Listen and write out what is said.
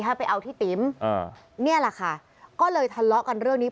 ให้ไปเอาที่ติ๋มนี่แหละค่ะก็เลยทะเลาะกันเรื่องนี้